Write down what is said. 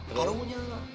nggak enggak enggak